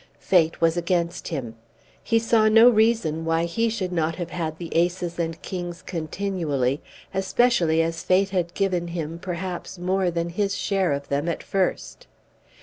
Fate was against him. He saw no reason why he should not have had the aces and kings continually, especially as fate had given him perhaps more than his share of them at first.